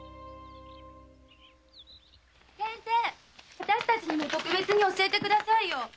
私たちにも特別に教えてくださいよ！